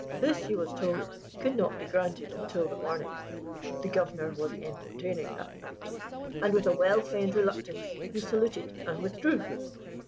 This (he was told) could not be granted until the morning 'the Governor was entertaining that night' and with a well feigned reluctance he saluted and withdrew.